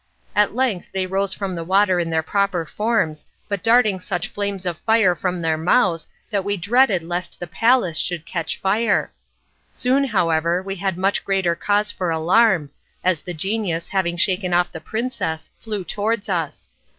At length they rose from the water in their proper forms, but darting such flames of fire from their mouths that we dreaded lest the palace should catch fire. Soon, however, we had much greater cause for alarm, as the genius, having shaken off the princess, flew towards us.